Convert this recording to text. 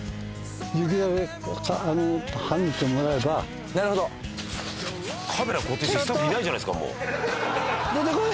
雪だけはけてもらえばなるほどカメラ固定してスタッフいないじゃないですかもう出てこい